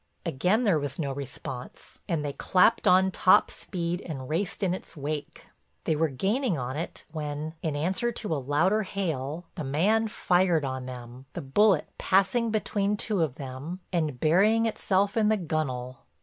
Again there was no response and they clapped on top speed and raced in its wake. They were gaining on it when, in answer to a louder hail, the man fired on them, the bullet passing between two of them and burying itself in the gunwale.